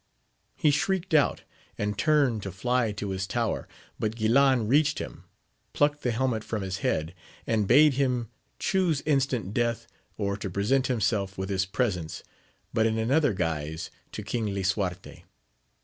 He shrieked outi and turned to fly to his tower, but Guilan reached him, plucked the helmet from his head, aud bade him chuse instant death, or to present himself with his presents, but in another guise, to King Lisuarte.